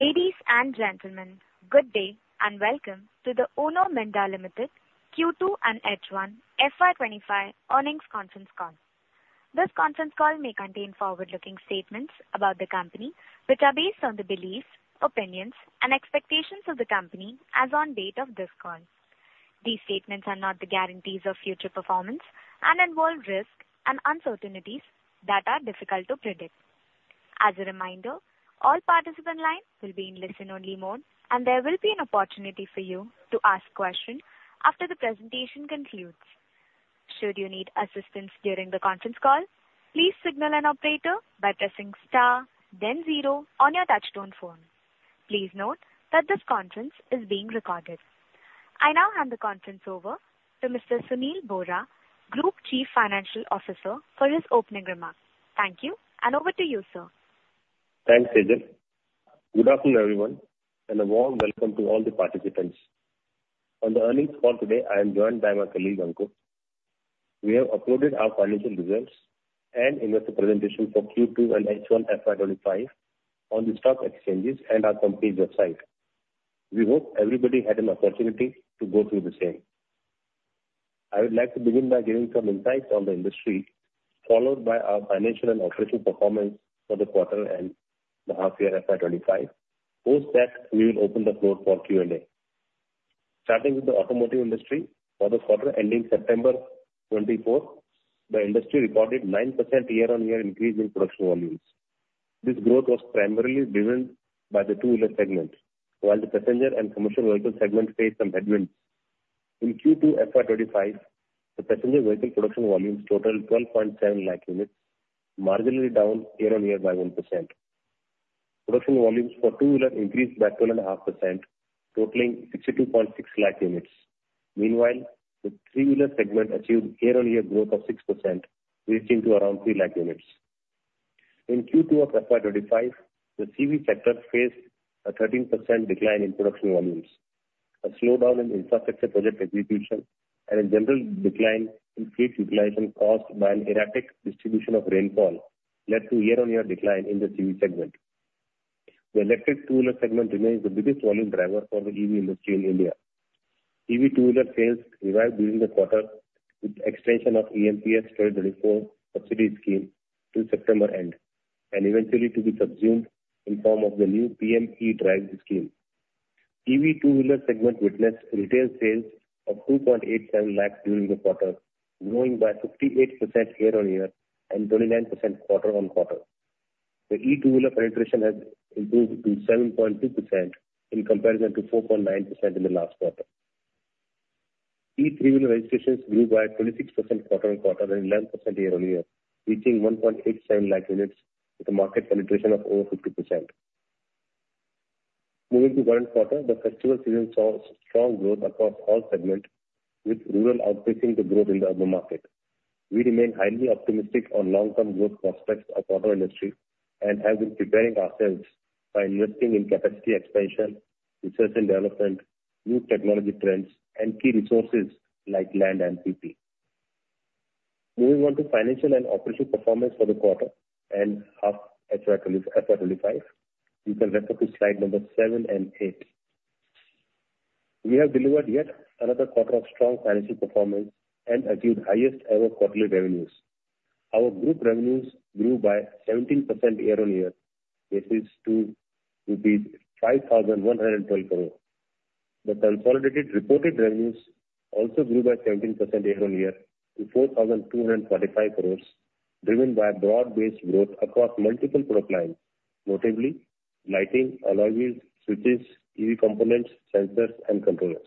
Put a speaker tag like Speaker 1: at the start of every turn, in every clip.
Speaker 1: Ladies and gentlemen, good day and welcome to the Uno Minda Limited Q2 and H1 FY 2025 earnings conference call. This conference call may contain forward-looking statements about the company which are based on the beliefs, opinions, and expectations of the company as on date of this call. These statements are not the guarantees of future performance and involve risks and uncertainties that are difficult to predict. As a reminder, all participants' lines will be in listen-only mode, and there will be an opportunity for you to ask questions after the presentation concludes. Should you need assistance during the conference call, please signal an operator by pressing star, then zero on your touch-tone phone. Please note that this conference is being recorded. I now hand the conference over to Mr. Sunil Bohra, Group Chief Financial Officer, for his opening remarks. Thank you, and over to you, sir.
Speaker 2: Thanks, Sejal. Good afternoon, everyone, and a warm welcome to all the participants. On the earnings call today, I am joined by my colleague, Ankur. We have uploaded our financial results and investor presentation for Q2 and H1 FY 2025 on the stock exchanges and our company's website. We hope everybody had an opportunity to go through the same. I would like to begin by giving some insights on the industry, followed by our financial and operational performance for the quarter and the half-year FY 2025, post that we will open the floor for Q&A. Starting with the automotive industry, for the quarter ending September 2024, the industry recorded a 9% year-on-year increase in production volumes. This growth was primarily driven by the two-wheeler segment, while the passenger and commercial vehicle segment faced some headwinds. In Q2 FY 2025, the passenger vehicle production volumes totaled 12.7 lakh units, marginally down year-on-year by 1%. Production volumes for two-wheelers increased by 12.5%, totaling 62.6 lakh units. Meanwhile, the three-wheeler segment achieved year-on-year growth of 6%, reaching to around 3 lakh units. In Q2 of FY 2025, the CV sector faced a 13% decline in production volumes, a slowdown in infrastructure project execution, and a general decline in fleet utilization caused by an erratic distribution of rainfall, led to year-on-year decline in the CV segment. The electric two-wheeler segment remains the biggest volume driver for the EV industry in India. EV two-wheeler sales revived during the quarter with the extension of EMPS 2024 subsidy scheme to September end and eventually to be subsumed in the form of the new PM E-DRIVE scheme. EV two-wheeler segment witnessed retail sales of 2.87 lakhs during the quarter, growing by 58% year-on-year and 29% quarter-on-quarter. The e-two-wheeler penetration has improved to 7.2% in comparison to 4.9% in the last quarter. E-three-wheeler registrations grew by 26% quarter-on-quarter and 11% year-on-year, reaching 1.87 lakh units with a market penetration of over 50%. Moving to current quarter, the festival season saw strong growth across all segments, with rural outpacing the growth in the urban market. We remain highly optimistic on long-term growth prospects of the auto industry and have been preparing ourselves by investing in capacity expansion, research and development, new technology trends, and key resources like land and people. Moving on to financial and operational performance for the quarter and half FY 2025, you can refer to slide numbers 7 and 8. We have delivered yet another quarter of strong financial performance and achieved highest-ever quarterly revenues. Our group revenues grew by 17% year-on-year, which is to 5,112 crores. The consolidated reported revenues also grew by 17% year-on-year to 4,245 crores, driven by broad-based growth across multiple product lines, notably lighting, alloy wheels, switches, EV components, sensors, and controllers.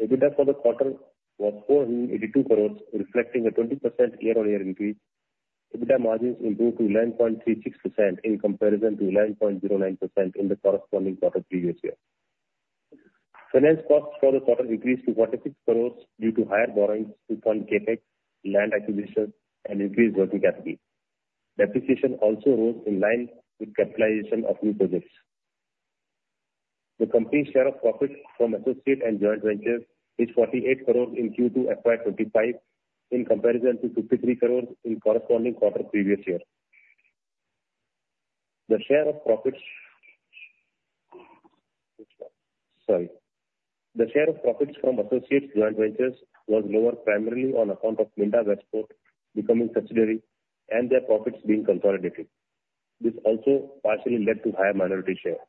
Speaker 2: EBITDA for the quarter was 482 crores, reflecting a 20% year-on-year increase. EBITDA margins improved to 11.36% in comparison to 11.09% in the corresponding quarter previous year. Finance costs for the quarter increased to 46 crores due to higher borrowings to fund CapEx, land acquisition, and increased working capital. Depreciation also rose in line with capitalization of new projects. The company's share of profit from associate and joint ventures is 48 crores in Q2 FY 2025 in comparison to 53 crores in the corresponding quarter previous year. The share of profits from associate joint ventures was lower primarily on account of Minda Westport becoming subsidiary and their profits being consolidated. This also partially led to higher minority share.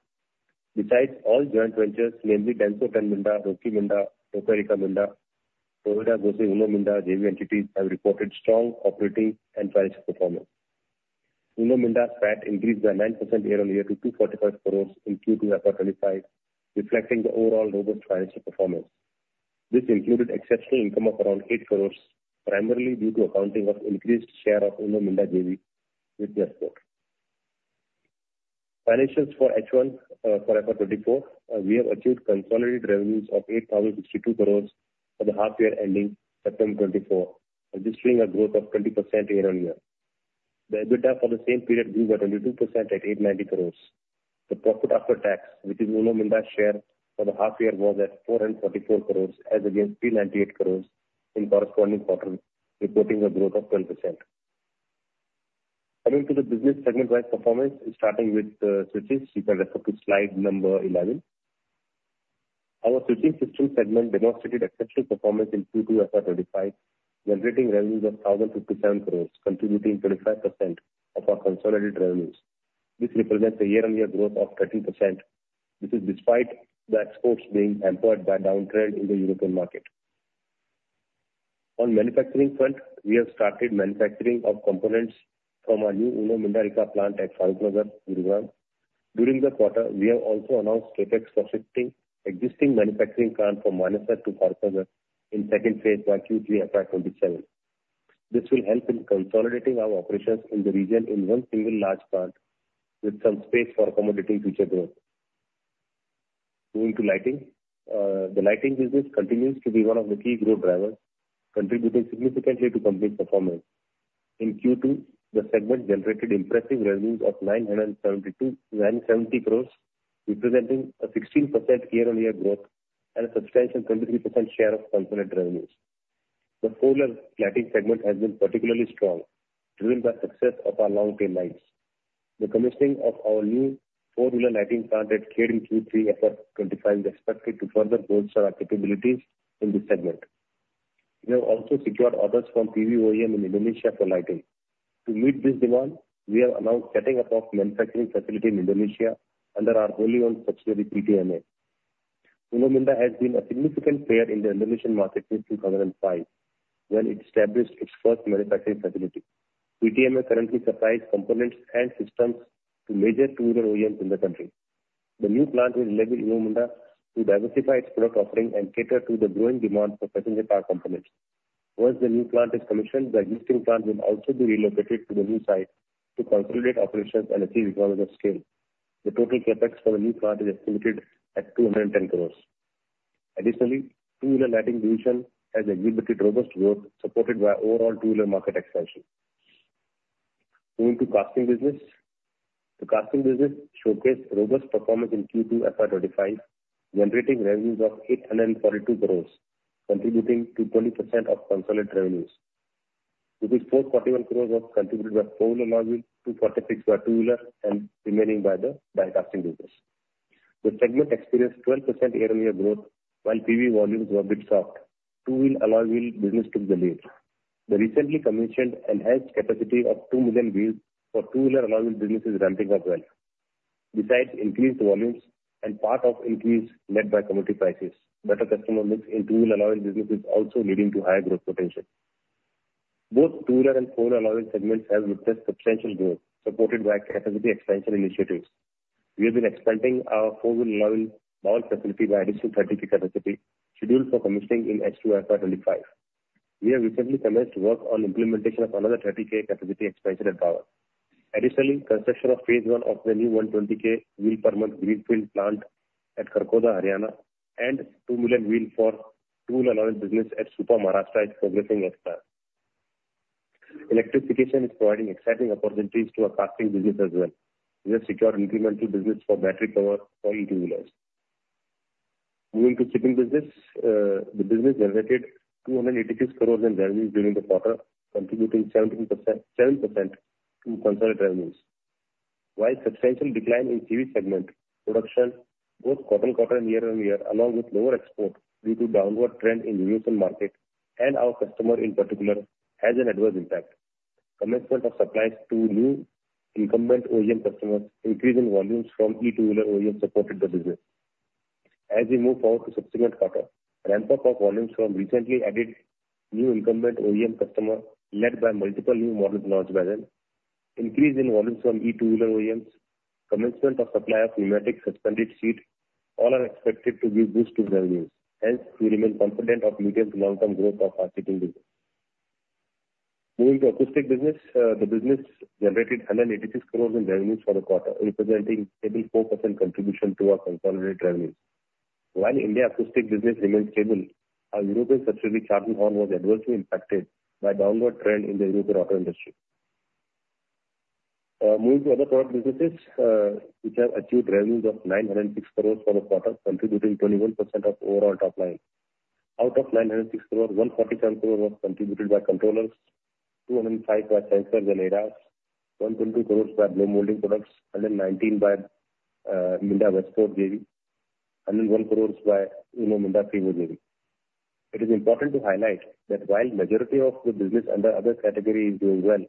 Speaker 2: Besides, all joint ventures, namely Denso Ten Minda, Roki Minda, Tokai Rika Minda, Toyoda Gosei Minda JV entities, have reported strong operating and financial performance. Uno Minda's PAT increased by 9% year-on-year to 245 crores in Q2 FY 2025, reflecting the overall robust financial performance. This included exceptional income of around 8 crores, primarily due to accounting of increased share of Uno Minda JV with Westport. Financials for FY 2024: We have achieved consolidated revenues of 8,062 crores for the half-year ending September 2024, registering a growth of 20% year-on-year. The EBITDA for the same period grew by 22% at 890 crores. The profit after tax, which is Uno Minda's share for the half-year, was at 444 crores, as against 398 crores in the corresponding quarter, reporting a growth of 12%. Coming to the business segment-wise performance, starting with the switches, you can refer to slide number 11. Our switching system segment demonstrated exceptional performance in Q2 FY 2025, generating revenues of 1,057 crores, contributing 25% of our consolidated revenues. This represents a year-on-year growth of 13%. This is despite the exports being hampered by a downtrend in the European market. On the manufacturing front, we have started manufacturing of components from our new Mindarika plant at Farrukhnagar, Gurugram. During the quarter, we have also announced CapEx for shifting existing manufacturing plant from Manesar to Farrukhnagar in the second phase by Q3 FY 2027. This will help in consolidating our operations in the region in one single large plant, with some space for accommodating future growth. Moving to lighting, the lighting business continues to be one of the key growth drivers, contributing significantly to the company's performance. In Q2, the segment generated impressive revenues of 972 crores, representing a 16% year-on-year growth and a substantial 23% share of consolidated revenues. The four-wheeler lighting segment has been particularly strong, driven by the success of our long-tail lines. The commissioning of our new four-wheeler lighting plant at Khed in Q3 FY 2025 is expected to further bolster our capabilities in this segment. We have also secured orders from PV OEM in Indonesia for lighting. To meet this demand, we have announced the setting up of a manufacturing facility in Indonesia under our wholly-owned subsidiary, PTMA. Uno Minda has been a significant player in the Indonesian market since 2005, when it established its first manufacturing facility. PTMA currently supplies components and systems to major two-wheeler OEMs in the country. The new plant will enable Uno Minda to diversify its product offering and cater to the growing demand for passenger car components. Once the new plant is commissioned, the existing plant will also be relocated to the new site to consolidate operations and achieve economies of scale. The total CapEx for the new plant is estimated at 210 crores. Additionally, the two-wheeler lighting division has exhibited robust growth, supported by overall two-wheeler market expansion. Moving to the casting business, the casting business showcased robust performance in Q2 FY 2025, generating revenues of 842 crores, contributing to 20% of consolidated revenues. With its 441 crores contributed by four-wheel alloy wheels, 246 by two-wheelers, and remaining by the casting business. The segment experienced 12% year-on-year growth, while PV volumes were a bit soft. The two-wheel alloy wheel business took the lead. The recently commissioned and added capacity of 2 million wheels for two-wheeler alloy wheel business is ramping up well. Besides, increased volumes and part of the increase are led by commodity prices. Better customer mix in two-wheel alloy wheel business is also leading to higher growth potential. Both two-wheeler and four-wheel alloy wheel segments have witnessed substantial growth, supported by capacity expansion initiatives. We have been expanding our four-wheel alloy wheel Bawal facility by an additional 30,000 capacity, scheduled for commissioning in H2 FY 2025. We have recently commenced work on the implementation of another 30,000 capacity expansion at Bawal. Additionally, construction of phase one of the new 120,000 wheel-per-month greenfield plant at Kharkhoda, Haryana, and 2 million wheels for two-wheel alloy wheel business at Supa, Maharashtra, is progressing at a fast pace. Electrification is providing exciting opportunities to our casting business as well. We have secured incremental business for battery power for EV two-wheelers. Moving to the seating business, the business generated 286 crores in revenues during the quarter, contributing 17% to consolidated revenues. While a substantial decline in the CV segment production, both quarter-to-quarter and year-on-year, along with lower exports due to a downward trend in the Indonesian market and our customers in particular, has an adverse impact. The commencement of supplies to new incumbent OEM customers, increasing volumes from EV two-wheeler OEMs, supported the business. As we move forward to the subsequent quarter, the ramp-up of volumes from recently added new incumbent OEM customers, led by multiple new models launched by them, increasing volumes from EV two-wheeler OEMs, and the commencement of supply of pneumatic suspended seats are all expected to give a boost to revenues. Hence, we remain confident in the medium to long-term growth of our seating business. Moving to the acoustic business, the business generated 186 crores in revenues for the quarter, representing a stable 4% contribution to our consolidated revenues. While the India acoustic business remained stable, our European subsidiary Clarton Horn was adversely impacted by a downward trend in the European auto industry. Moving to other product businesses, we have achieved revenues of 906 crores for the quarter, contributing 21% of the overall top line. Out of 906 crores, 147 crores were contributed by controllers, 205 crores by sensors and ADAS, 122 crores by blow molding products, 119 crores by Minda Westport JV, and 101 crores by Uno Minda FRIWO JV. It is important to highlight that while the majority of the business under other categories is doing well,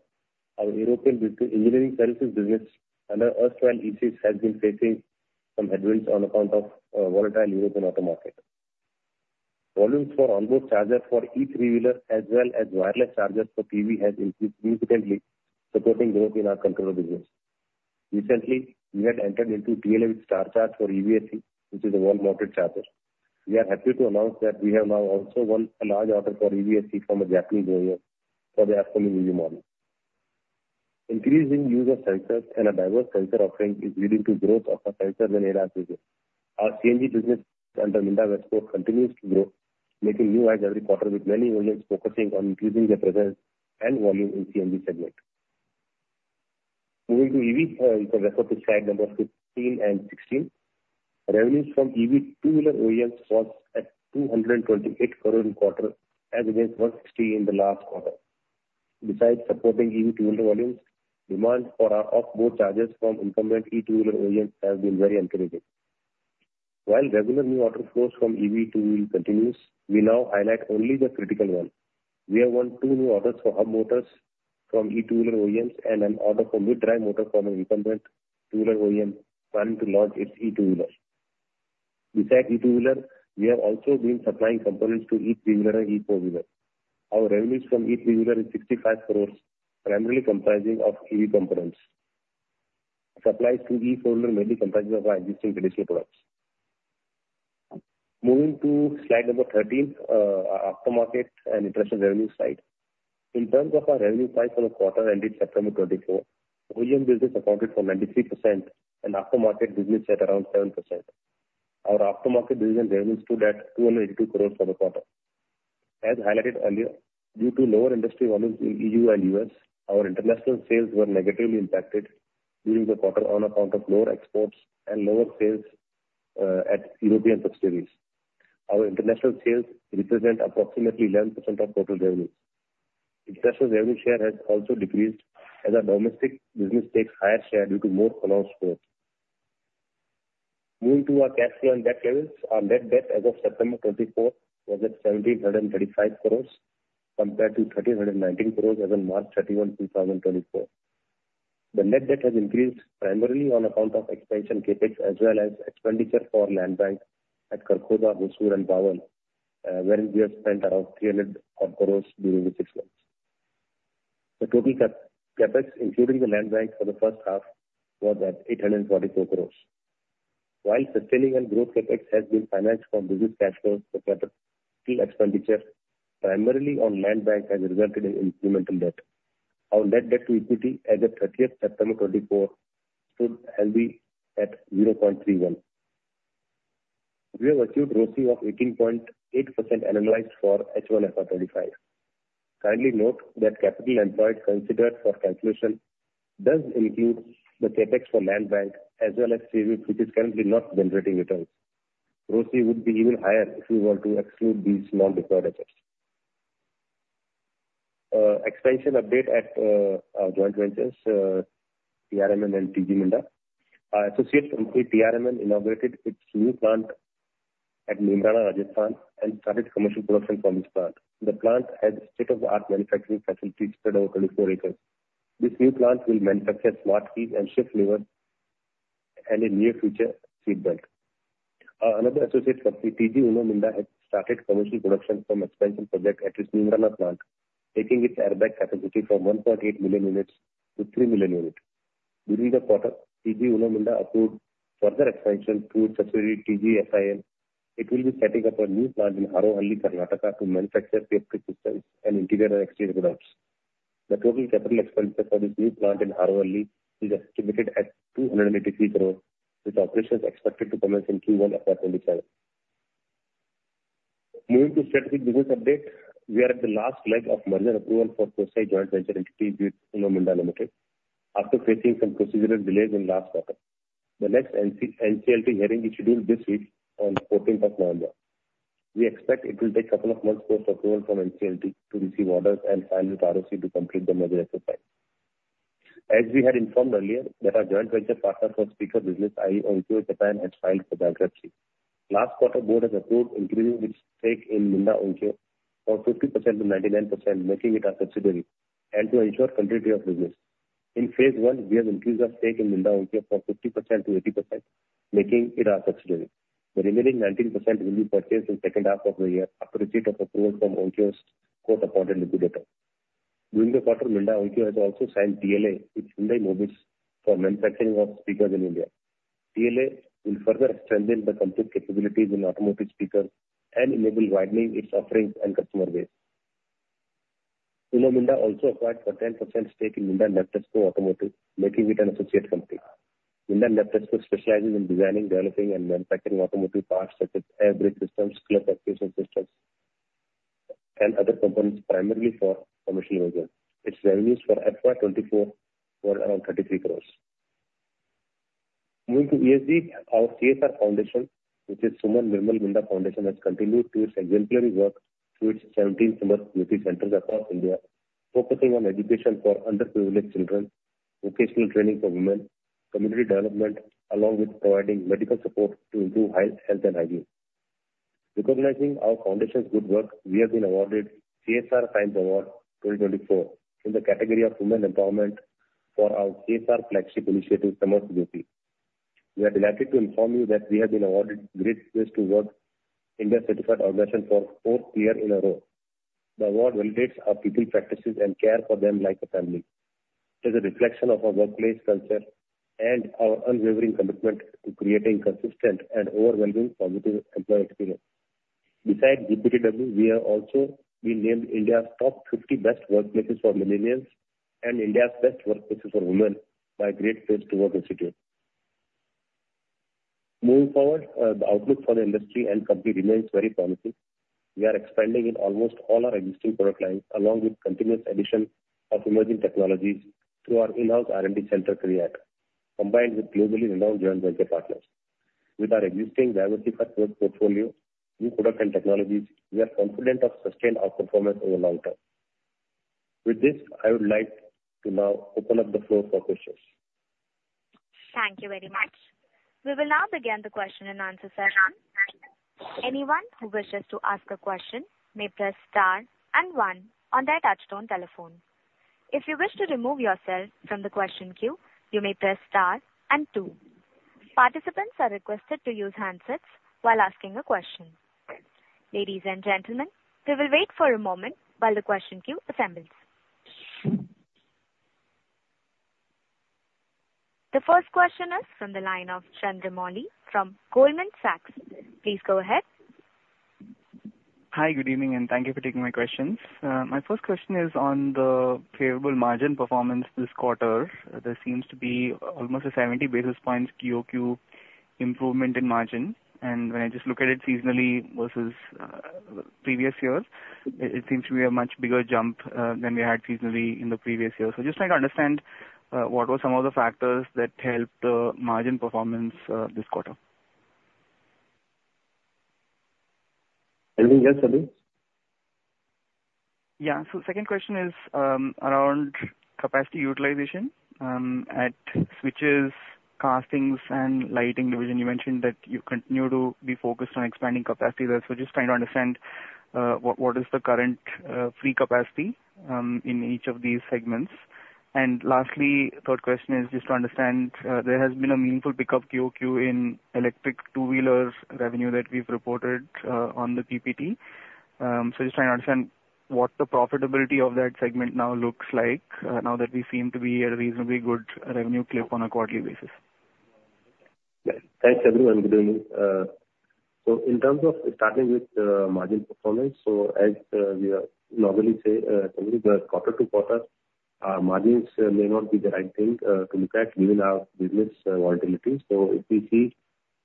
Speaker 2: our European engineering services business under Uno Minda Europe has been facing some headwinds on account of the volatile European auto market. Volumes for onboard chargers for EV 3-wheelers as well as wireless chargers for PV have increased significantly, supporting growth in our controller business. Recently, we had entered into a deal with StarCharge for EVSE, which is a wall-mounted charger. We are happy to announce that we have now also won a large order for EVSE from a Japanese OEM for the upcoming EV model. Increasing use of sensors and a diverse sensor offering is leading to the growth of our sensors and ADAS business. Our CNG business under Minda Westport continues to grow, making new adds every quarter, with many OEMs focusing on increasing their presence and volume in the CNG segment. Moving to EV, you can refer to slide numbers 15 and 16. Revenues from EV two-wheeler OEMs fell at 228 crores in the quarter, as against 160 crores in the last quarter. Besides, supporting EV two-wheeler volumes, demand for off-board chargers from incumbent e-two-wheeler OEMs has been very encouraging. While regular new order flows from EV two-wheel continue, we now highlight only the critical ones. We have won two new orders for hub motors from EV two-wheeler OEMs and an order for mid-drive motor from an incumbent two-wheeler OEM planning to launch its EV two-wheeler. Besides EV two-wheelers, we have also been supplying components to EV three-wheeler and EV four-wheeler. Our revenues from EV two-wheeler are 65 crores, primarily comprising of EV components. Supplies to EV four-wheeler mainly comprise of our existing traditional products. Moving to slide number 13, our after-market and international revenue side. In terms of our revenue size for the quarter ended September 2024, OEM business accounted for 93%, and after-market business at around 7%. Our after-market business revenues stood at 282 crores for the quarter. As highlighted earlier, due to lower industry volumes in the EU and U.S., our international sales were negatively impacted during the quarter on account of lower exports and lower sales at European subsidiaries. Our international sales represent approximately 11% of total revenues. International revenue share has also decreased as our domestic business takes a higher share due to more pronounced growth. Moving to our cash flow and debt levels, our net debt as of September 24th was at 1,735 crores, compared to 1,319 crores as of March 31st, 2024. The net debt has increased primarily on account of expansion CapEx as well as expenditure for land bank at Kharkhoda, Hosur, and Bawal, wherein we have spent around 300 crores during the six months. The total CapEx, including the land bank for the first half, was at 844 crores. While sustaining and growth CapEx has been financed from business cash flows, the capital expenditure primarily on land bank has resulted in incremental debt. Our net debt to equity as of September 30th, 2024 stood healthily at 0.31. We have achieved ROCE of 18.8% annualized for H1 FY 2025. Kindly note that the capital employed considered for calculation does include the CapEx for land bank as well as CV, which is currently not generating returns. ROCE would be even higher if we were to exclude these non-deployed assets. Expansion update at our joint ventures, TRMN and TG Minda. Our associate company, TRMN, inaugurated its new plant at Neemrana, Rajasthan, and started commercial production from this plant. The plant has state-of-the-art manufacturing facilities spread over 24 acres. This new plant will manufacture smart keys and shift levers and, in the near future, seat belts. Another associate company, TG Uno Minda, has started commercial production from the expansion project at its Neemrana plant, taking its airbag capacity from 1.8 million units to three million units. During the quarter, TG Uno Minda approved further expansion through its subsidiary, TGSIN. It will be setting up a new plant in Harohalli, Karnataka, to manufacture safety systems and interior and exterior products. The total capital expenditure for this new plant in Harohalli is estimated at 283 crores, with operations expected to commence in Q1 FY 2027. Moving to the strategic business update, we are at the last leg of merger approval for Kosei Joint Venture Entity with Uno Minda Limited, after facing some procedural delays in the last quarter. The next NCLT hearing is scheduled this week on November 14th. We expect it will take a couple of months post-approval from NCLT to receive orders and sign with ROC to complete the merger exercise. As we had informed earlier, our joint venture partner for speaker business, i.e., Onkyo Japan, has filed for bankruptcy. Last quarter, the board has approved increasing its stake in Minda Onkyo from 50%-99%, making it our subsidiary, and to ensure continuity of business. In phase one, we have increased our stake in Minda Onkyo from 50%-80%, making it our subsidiary. The remaining 19% will be purchased in the second half of the year after receipt of approval from Onkyo's court-appointed liquidator. During the quarter, Minda Onkyo has also signed TLA with Hyundai Motors for manufacturing of speakers in India. TLA will further strengthen the company's capabilities in automotive speakers and enable widening its offerings and customer base. Uno Minda also acquired a 10% stake in Minda Nabtesco Automotive, making it an associate company. Minda Nabtesco specializes in designing, developing, and manufacturing automotive parts such as air brake systems, clutch activation systems, and other components, primarily for commercial vehicles. Its revenues for FY 2024 were around 33 crores. Moving to ESG, our CSR foundation, which is Suman Nirmal Minda Foundation, has continued its exemplary work through its 17 Samarth Jyoti centers across India, focusing on education for underprivileged children, vocational training for women, community development, along with providing medical support to improve health and hygiene. Recognizing our foundation's good work, we have been awarded the CSR Science Award 2024 in the category of Women Empowerment for our CSR Flagship Initiative, Samarth Jyoti. We are delighted to inform you that we have been awarded the Great Place to Work India Certified Organisation for the fourth year in a row. The award validates our people, practices, and care for them like a family. It is a reflection of our workplace culture and our unwavering commitment to creating consistent and overwhelmingly positive employee experience. Besides GPTW, we have also been named India's Top 50 Best Workplaces for Millennials and India's Best Workplaces for Women by Great Place to Work Institute. Moving forward, the outlook for the industry and company remains very promising. We are expanding in almost all our existing product lines, along with continuous additions of emerging technologies through our in-house R&D center, CREAT, combined with globally renowned joint venture partners. With our existing diversified product portfolio, new products, and technologies, we are confident we can sustain our performance in the long term. With this, I would like to now open up the floor for questions.
Speaker 1: Thank you very much. We will now begin the question and answer session. Anyone who wishes to ask a question may press star and one on their touch-tone telephone. If you wish to remove yourself from the question queue, you may press star and two. Participants are requested to use handsets while asking a question. Ladies and gentlemen, we will wait for a moment while the question queue assembles. The first question is from the line of Chandramouli from Goldman Sachs. Please go ahead.
Speaker 3: Hi, good evening, and thank you for taking my questions. My first question is on the favorable margin performance this quarter. There seems to be almost a 70 basis points QoQ improvement in margin. When I just look at it seasonally versus the previous year, it seems to be a much bigger jump than we had seasonally in the previous year. So, just trying to understand what were some of the factors that helped the margin performance this quarter.
Speaker 2: Anything else for this?
Speaker 3: Yeah. So, the second question is around capacity utilization at switches, castings, and lighting division. You mentioned that you continue to be focused on expanding capacity there. So, just trying to understand what is the current free capacity in each of these segments. And lastly, the third question is just to understand there has been a meaningful pickup QoQ in electric two-wheelers revenue that we've reported on the PPT. So, just trying to understand what the profitability of that segment now looks like now that we seem to be at a reasonably good revenue clip on a quarterly basis.
Speaker 2: Thanks, everyone. Good evening. So in terms of starting with margin performance, so as we normally say, the quarter-to-quarter margins may not be the right thing to look at given our business volatility. So if we see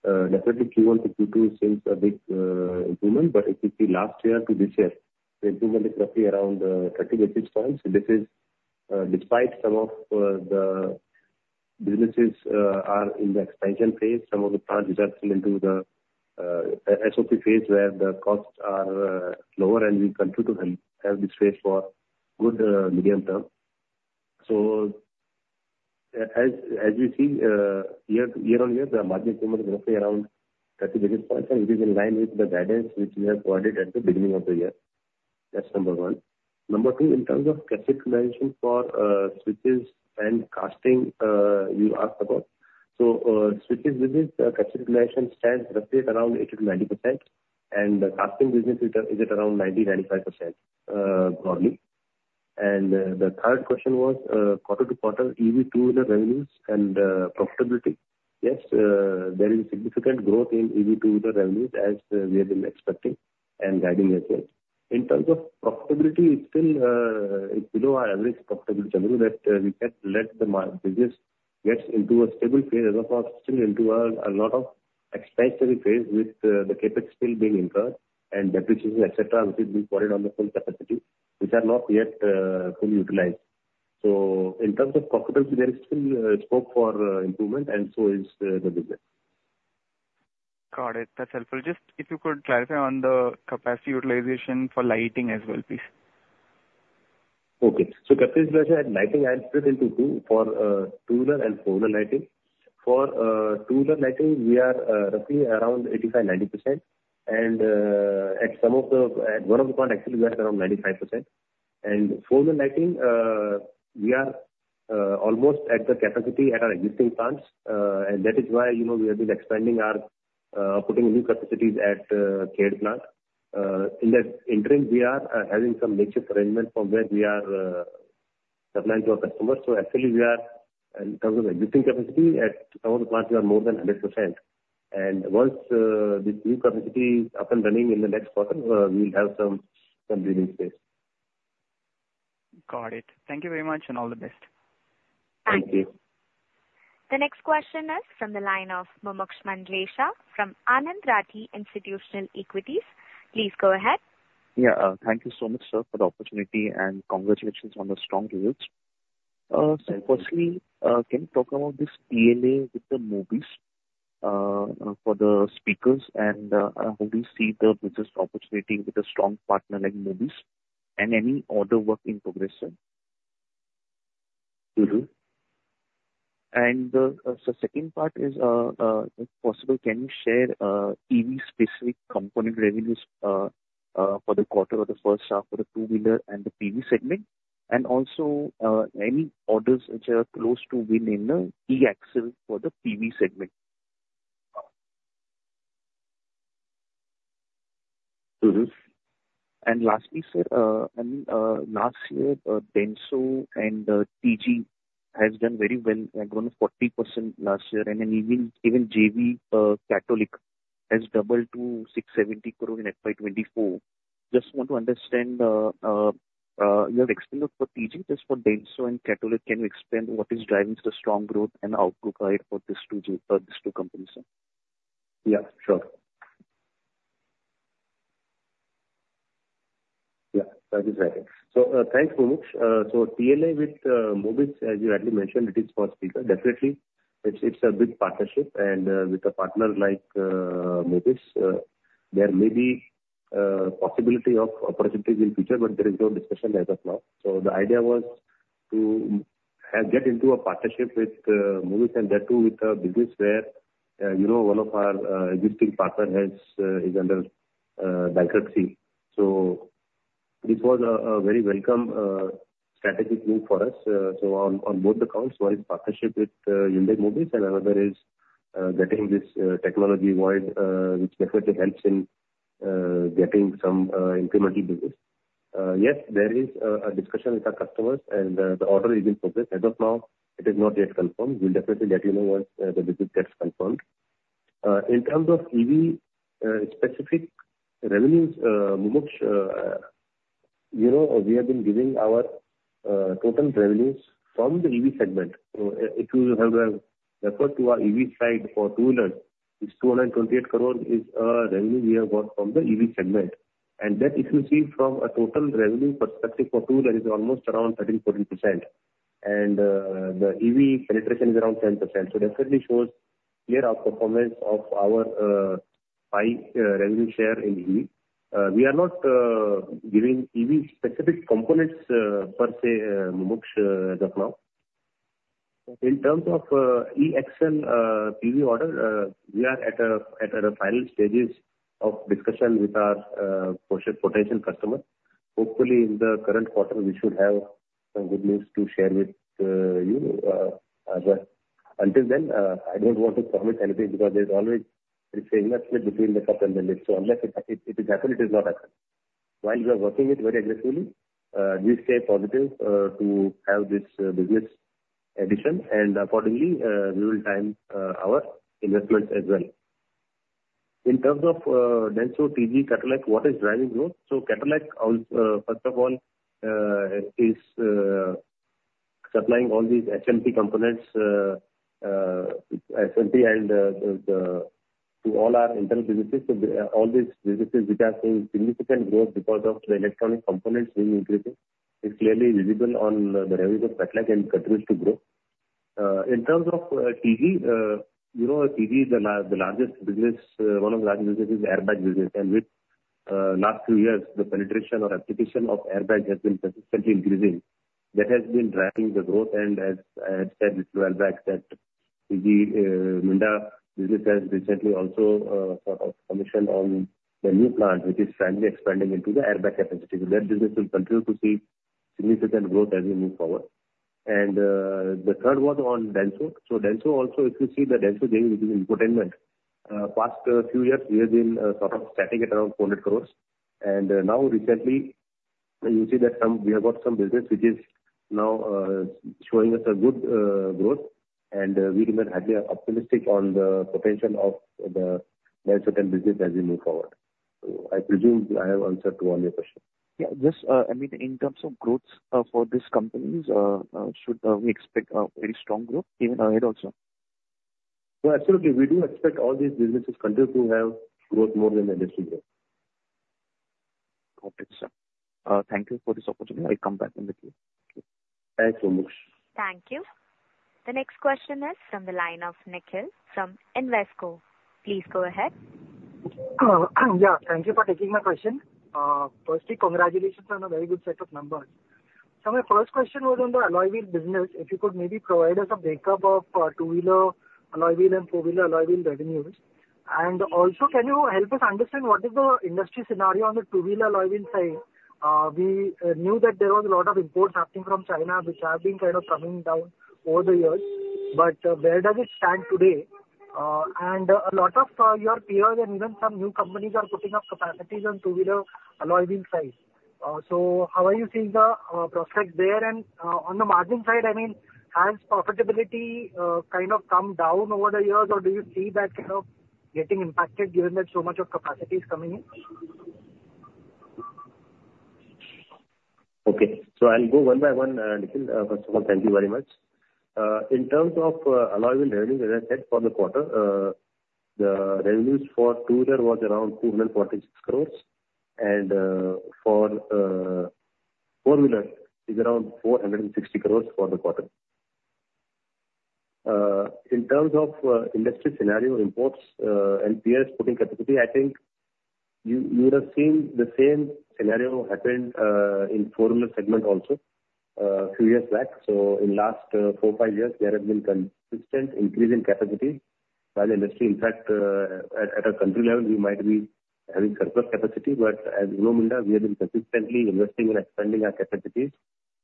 Speaker 2: definitely Q1 to Q2 seems a big improvement. But if we see last year to this year, the improvement is roughly around 30 basis points. This is despite some of the businesses being in the expansion phase. Some of the plants have gone into the SOP phase where the costs are lower, and we continue to have this phase for good medium term. So as we see year-on-year, the margin improvement is roughly around 30 basis points, and it is in line with the guidance which we have provided at the beginning of the year. That's number one. Number two, in terms of capacity utilization for switches and casting you asked about. Switches business, the capacity utilization stands roughly at around 80%-90%, and the casting business is at around 90%-95% probably. The third question was quarter-to-quarter EV two-wheeler revenues and profitability. Yes, there is a significant growth in EV two-wheeler revenues as we have been expecting and guiding as well. In terms of profitability, it's still below our average profitability level. That we can let the business get into a stable phase as of now. Still into a lot of expansionary phase with the CapEx still being incurred and depreciation, etc., which has been quoted on the full capacity, which are not yet fully utilized. In terms of profitability, there is still scope for improvement, and so is the business.
Speaker 3: Got it. That's helpful. Just if you could clarify on the capacity utilization for lighting as well, please.
Speaker 2: Okay. Capacity utilization at lighting has split into two for two-wheeler and four-wheeler lighting. For two-wheeler lighting, we are roughly around 85-90%. And at some of the, at one of the plants, actually, we are around 95%. And four-wheeler lighting, we are almost at the capacity at our existing plants. And that is why we have been expanding our putting new capacities at Khed plant. In that interim, we are having some makeshift arrangement from where we are supplying to our customers. So actually, we are in terms of existing capacity at some of the plants, we are more than 100%. And once this new capacity is up and running in the next quarter, we will have some breathing space.
Speaker 3: Got it. Thank you very much and all the best.
Speaker 1: Thank you. The next question is from the line of Mumuksh Mandlesha from Anand Rathi Institutional Equities. Please go ahead.
Speaker 4: Yeah. Thank you so much, sir, for the opportunity and congratulations on the strong results. So firstly, can you talk about this TLA with Mobis for the speakers and how do you see the business opportunity with a strong partner like Mobis and any other work in progress, sir? And the second part is, if possible, can you share EV-specific component revenues for the quarter or the first half for the two-wheeler and the PV segment? And also any orders which are close to being in the E-Axle for the PV segment? Mm-hmm. And lastly, sir, I mean, last year, Denso and TG have done very well. They have grown 40% last year. And then even JV Katolec has doubled to 670 crores in FY 2024. Just want to understand, you have explained it for TG. Just for Denso and Katolec, can you explain what is driving the strong growth and outlook ahead for these two companies, sir?
Speaker 2: Yeah, sure. Yeah, that is right. So thanks, Mumuksh. So TLA with Mobis, as you had mentioned, it is for speakers. Definitely, it's a big partnership. And with a partner like Mobis, there may be possibility of opportunities in the future, but there is no discussion as of now. So the idea was to get into a partnership with Mobis and Denso Ten with a business where one of our existing partners is under bankruptcy. So on both accounts, one is partnership with Hyundai Mobis, and another is getting this technology void, which definitely helps in getting some incremental business. Yes, there is a discussion with our customers, and the order is in progress. As of now, it is not yet confirmed. We'll definitely let you know once the business gets confirmed. In terms of EV-specific revenues, Mumuksh, we have been giving our total revenues from the EV segment. If you have referred to our EV side for two-wheelers, this 228 crores is a revenue we have got from the EV segment. And that, if you see from a total revenue perspective for two-wheelers, it's almost around 13%-14%. And the EV penetration is around 10%. So it definitely shows clear outperformance of our revenue share in EV. We are not giving EV-specific components per se, Mumuksh, as of now. In terms of E-Axle PV order, we are at the final stages of discussion with our potential customers. Hopefully, in the current quarter, we should have good news to share with you. Until then, I don't want to comment anything because there is always slip between the cup and the lid. So unless it is happened, it is not happened. While we are working with very aggressively, we stay positive to have this business addition. And accordingly, we will time our investments as well. In terms of Denso, TG, Katolec, what is driving growth? So Katolec, first of all, is supplying all these SMT components to all our internal businesses. So all these businesses which are seeing significant growth because of the electronic components being increasing is clearly visible on the revenue of Katolec and continues to grow. In terms of TG, TG is the largest business. One of the largest businesses is the airbag business. And with the last few years, the penetration or application of airbags has been consistently increasing. That has been driving the growth. And as I had said a little while back that TG Minda business has recently also sort of commissioned the new plant, which is finally expanding the airbag capacity. So that business will continue to see significant growth as we move forward. And the third was on Denso. So Denso also, if you see the Denso JV, which is in good engagement, past few years, we have been sort of static at around 400 crores. And now recently, you see that we have got some business which is now showing us a good growth. And we remain highly optimistic on the potential of the Denso business as we move forward. So I presume I have answered to all your questions.
Speaker 4: Yeah. Just, I mean, in terms of growth for these companies, should we expect a very strong growth even ahead also?
Speaker 2: Well, absolutely. We do expect all these businesses continue to have growth more than their listing growth.
Speaker 4: Got it, sir. Thank you for this opportunity. I'll come back and meet you. Thank you.
Speaker 2: Thanks, Mumuksh.
Speaker 1: Thank you. The next question is from the line of Nikhil from Invesco. Please go ahead.
Speaker 5: Yeah. Thank you for taking my question. Firstly, congratulations on a very good set of numbers. So my first question was on the alloy wheel business. If you could maybe provide us a breakup of two-wheeler alloy wheel and four-wheeler alloy wheel revenues. And also, can you help us understand what is the industry scenario on the two-wheeler alloy wheel side? We knew that there was a lot of imports happening from China, which have been kind of coming down over the years. But where does it stand today? And a lot of your peers and even some new companies are putting up capacities on two-wheeler alloy wheel side. So how are you seeing the prospects there? And on the margin side, I mean, has profitability kind of come down over the years, or do you see that kind of getting impacted given that so much of capacity is coming in?
Speaker 2: Okay. So I'll go one by one, Nikhil. First of all, thank you very much. In terms of alloy wheel revenue, as I said, for the quarter, the revenues for two-wheeler was around 246 crores. And for four-wheeler, it's around 460 crores for the quarter. In terms of industry scenario, imports and peers putting capacity, I think you would have seen the same scenario happen in four-wheeler segment also a few years back. So in the last 4-5 years, there has been a consistent increase in capacity by the industry. In fact, at a country level, we might be having surplus capacity. But as you know, Minda, we have been consistently investing and expanding our capacities.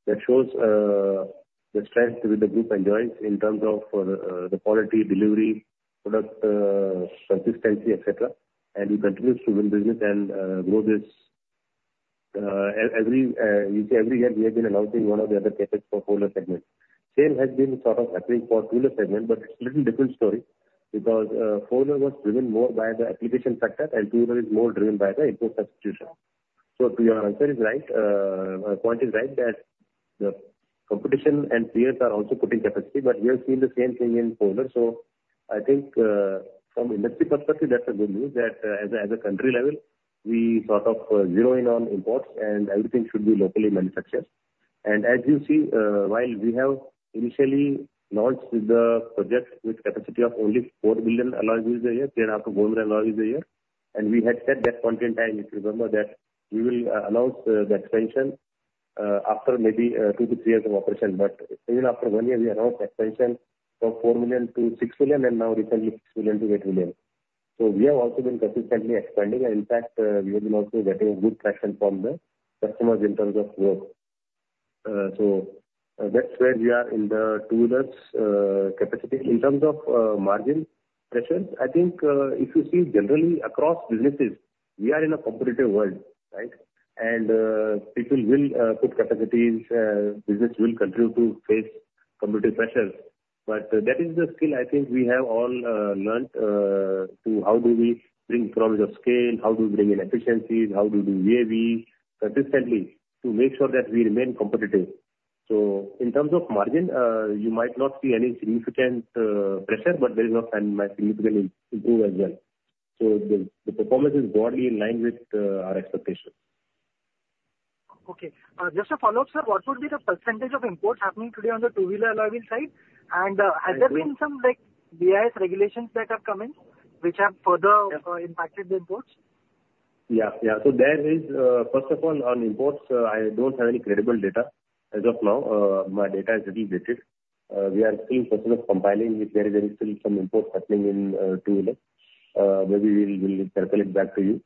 Speaker 2: That shows the strength with the group and JVs in terms of the quality delivery, product consistency, etc. And we continue to win business and grow this. You see, every year we have been announcing one or the other CapEx for four-wheeler segment. Same has been sort of happening for two-wheeler segment, but it's a little different story because four-wheeler was driven more by the application factor, and two-wheeler is more driven by the import substitution. So to your answer, it's right. My point is right that the competition and peers are also putting capacity. But we have seen the same thing in four-wheeler. So I think from an industry perspective, that's good news that at a country level, we sort of zero in on imports, and everything should be locally manufactured. And as you see, while we have initially launched the project with capacity of only 4 million alloy wheels a year, 10 out of 4 million alloy wheels a year. And we had said that point in time, if you remember, that we will announce the expansion after maybe 2-3 years of operation. But even after one year, we announced expansion from 4 million-6 million, and now recently 6 million-8 million. So we have also been consistently expanding. And in fact, we have been also getting good traction from the customers in terms of growth. So that's where we are in the two-wheelers capacity. In terms of margin pressures, I think if you see generally across businesses, we are in a competitive world, right? And people will put capacities. Business will continue to face competitive pressures. But that is the skill I think we have all learned to how do we bring economies of scale, how do we bring in efficiencies, how do we do VA/VE consistently to make sure that we remain competitive. So in terms of margin, you might not see any significant pressure, but there is not significant improvement as well. So the performance is broadly in line with our expectations.
Speaker 5: Okay. Just a follow-up, sir. What would be the percentage of imports happening today on the two-wheeler alloy wheel side? And has there been some BIS regulations that have come in which have further impacted the imports?
Speaker 2: Yeah. Yeah. There is, first of all, on imports, I don't have any credible data as of now. My data is a bit dated. We are still compiling with where there is still some imports happening in two-wheelers. Maybe we will circle back to you.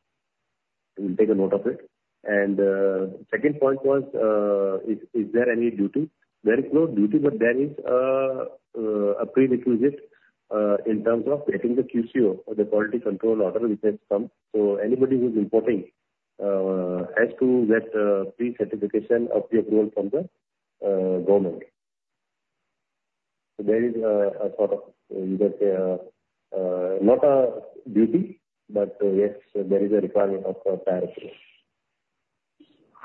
Speaker 2: We'll take a note of it. The second point was, is there any duty? There is no duty, but there is a prerequisite in terms of getting the QCO, the Quality Control Order, which has come. So anybody who's importing has to get pre-certification of the approval from the government. So there is a sort of, you can say, not a duty, but yes, there is a requirement of prior approval.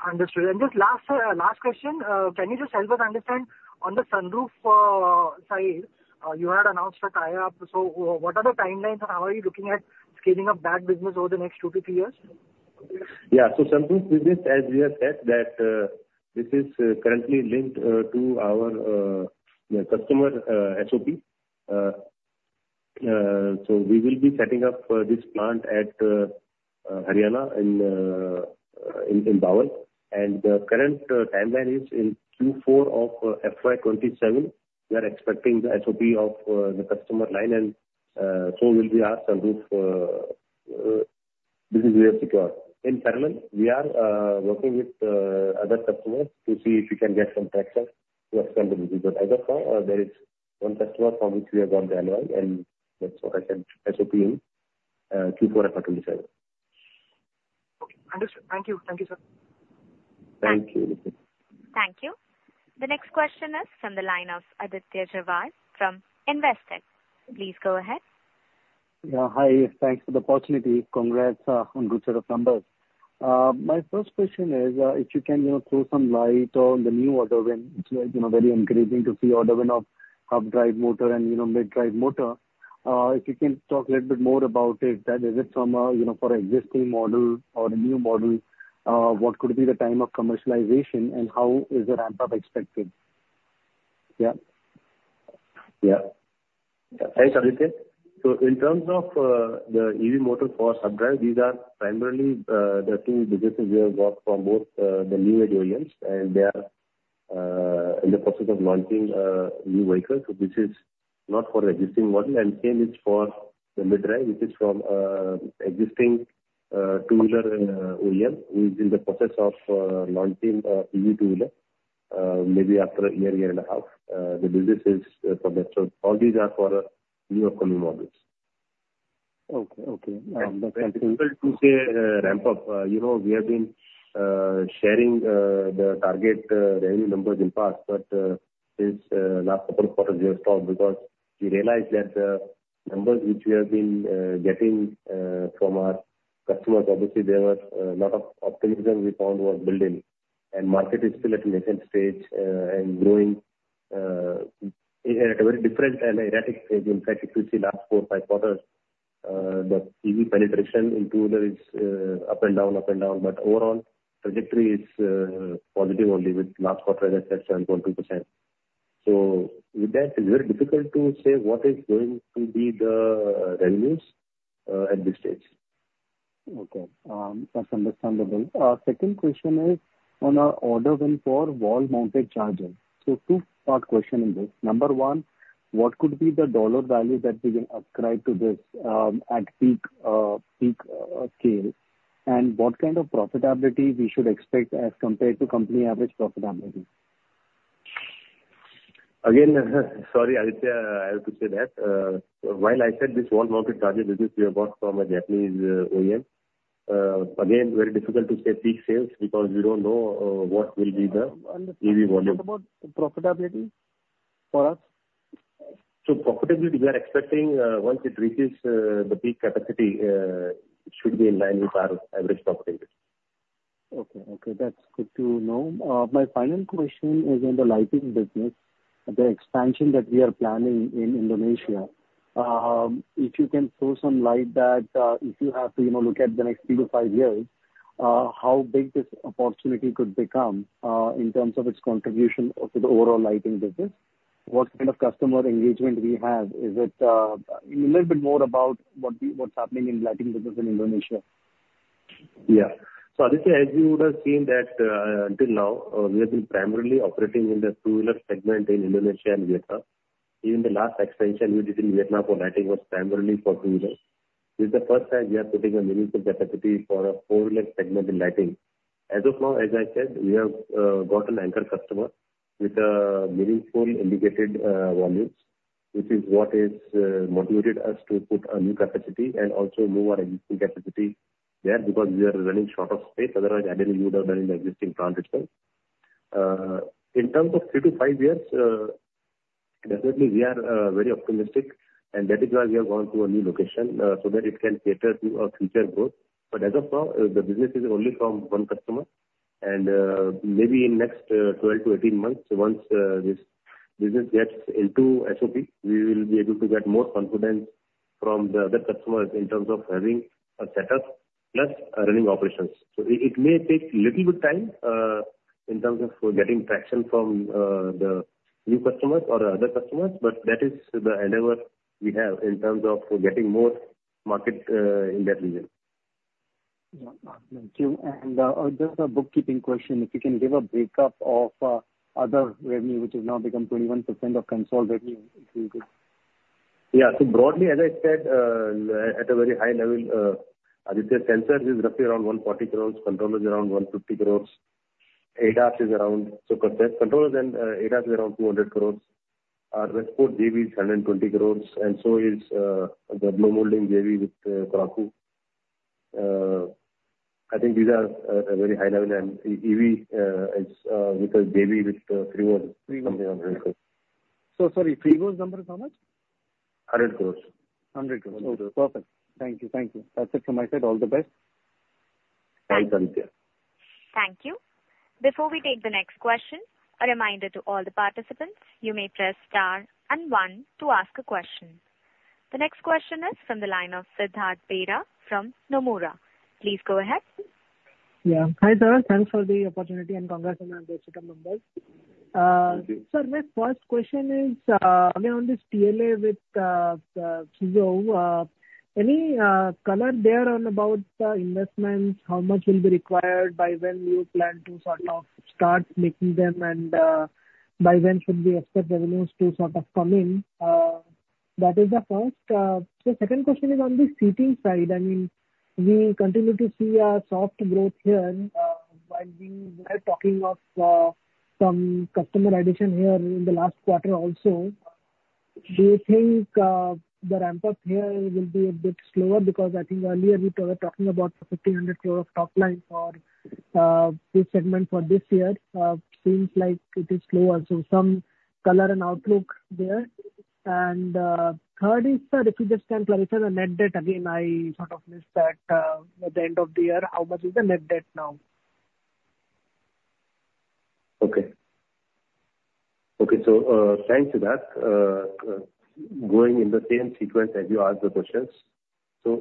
Speaker 5: Understood. Just last question, can you just help us understand on the sunroof side? You had announced for Tata. So what are the timelines and how are you looking at scaling up that business over the next two to three years?
Speaker 2: Yeah. So sunroof business, as we have said, that this is currently linked to our customer SOP. So we will be setting up this plant at Haryana in Bawal. And the current timeline is in Q4 of FY 2027. We are expecting the SOP of the customer line. And so will be our sunroof. This is we have secured. In parallel, we are working with other customers to see if we can get some traction to expand the business. But as of now, there is one customer for which we have got the order and that's what I said SOP in Q4 FY 2027.
Speaker 5: Okay. Understood. Thank you. Thank you, sir.
Speaker 2: Thank you.
Speaker 1: Thank you. The next question is from the line of Aditya Jhawar from Invesco. Please go ahead.
Speaker 6: Yeah. Hi. Thanks for the opportunity. Congrats on good set of numbers. My first question is, if you can throw some light on the new EV wins, it's very encouraging to see EV wins of hub-drive motor and mid-drive motor. If you can talk a little bit more about it, that is it from a for an existing model or a new model, what could be the timeline for commercialization and how is the ramp-up expected?
Speaker 2: Yeah. Yeah. Thanks, Aditya. So in terms of the EV motor for hub drive, these are primarily the two businesses we have got for both the new age OEMs. And they are in the process of launching new vehicles. So this is not for the existing model. Same is for the mid-drive, which is from existing two-wheeler OEM, who is in the process of launching EV two-wheeler, maybe after a year, year and a half. The business is for that. All these are for new upcoming models. Okay. Okay. That's something. To say ramp-up, we have been sharing the target revenue numbers in past, but since last couple of quarters, we have stopped because we realized that the numbers which we have been getting from our customers, obviously, there was a lot of optimism we found was building. Market is still at an infant stage and growing at a very different and erratic stage. In fact, if you see last four, five quarters, the EV penetration in two-wheeler is up and down, up and down. Overall, trajectory is positive only with last quarter, as I said, 7.2%. So with that, it's very difficult to say what is going to be the revenues at this stage.
Speaker 6: Okay. That's understandable. Second question is on our order win for wall-mounted charging. So two-part question in this. Number one, what could be the dollar value that we can ascribe to this at peak scale? And what kind of profitability we should expect as compared to company average profitability?
Speaker 2: Again, sorry, Aditya, I have to say that. While I said this wall-mounted charging business we have got from a Japanese OEM, again, very difficult to say peak sales because we don't know what will be the EV volume.
Speaker 6: What about profitability for us?
Speaker 2: So profitability, we are expecting once it reaches the peak capacity, it should be in line with our average profitability.
Speaker 6: Okay. Okay. That's good to know. My final question is on the lighting business, the expansion that we are planning in Indonesia. If you can throw some light that if you have to look at the next three to five years, how big this opportunity could become in terms of its contribution to the overall lighting business? What kind of customer engagement we have? Is it a little bit more about what's happening in lighting business in Indonesia?
Speaker 2: Yeah. So Aditya, as you would have seen that until now, we have been primarily operating in the two-wheeler segment in Indonesia and Vietnam. Even the last expansion we did in Vietnam for lighting was primarily for two-wheelers. This is the first time we are putting a meaningful capacity for a four-wheeler segment in lighting. As of now, as I said, we have got an anchor customer with meaningful indicated volumes, which is what has motivated us to put a new capacity and also move our existing capacity there because we are running short of space. Otherwise, I believe we would have done in the existing plant itself. In terms of three to five years, definitely we are very optimistic. And that is why we have gone to a new location so that it can cater to our future growth. But as of now, the business is only from one customer. And maybe in next 12-18 months, once this business gets into SOP, we will be able to get more confidence from the other customers in terms of having a setup plus running operations. So it may take a little bit of time in terms of getting traction from the new customers or other customers, but that is the endeavor we have in terms of getting more market in that region.
Speaker 6: Yeah. Thank you. And just a bookkeeping question. If you can give a breakup of other revenue, which has now become 21% of consolidated revenue, if you could.
Speaker 2: Yeah. So broadly, as I said, at a very high level, Aditya, sensors is roughly around 140 crores, controllers around 150 crores, ADAS is around. So controllers and ADAS is around 200 crores. Westport JV is 120 crores. And so is the blow molding JV with Kyoraku. I think these are at a very high level. And EV is with a JV with FRIWO something 100 crores.
Speaker 6: So sorry, FRIWO's number is how much?
Speaker 2: 100 crores.
Speaker 6: 100 crores. Okay. Perfect. Thank you. Thank you. That's it from my side. All the best.
Speaker 2: Thanks, Aditya.
Speaker 1: Thank you. Before we take the next question, a reminder to all the participants, you may press star and one to ask a question. The next question is from the line of Siddharth Bera from Nomura. Please go ahead.
Speaker 7: Yeah. Hi sir. Thanks for the opportunity and congrats on the strong numbers. Thank you. So my first question is, again, on this TLA with Mobis, any color there on about the investments, how much will be required, by when you plan to sort of start making them, and by when should the export revenues to sort of come in? That is the first. So second question is on the seating side. I mean, we continue to see a soft growth here. While we were talking of some customer addition here in the last quarter also, do you think the ramp-up here will be a bit slower? Because I think earlier we were talking about 1,500 crore of top line for this segment for this year. Seems like it is slower. So some color and outlook there. And third is, if you just can clarify the net debt again, I sort of missed that at the end of the year. How much is the net debt now?
Speaker 2: Okay. Okay. So thanks for that. Going in the same sequence as you asked the questions. So